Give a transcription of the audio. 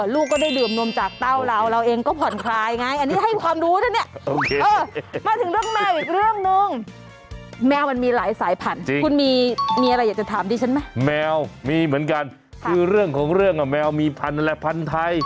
ลูกก็ได้ดื่มนมจากเต้าเราเราเองก็ผ่อนคลายไงอันนี้ให้ความรู้เนี่ย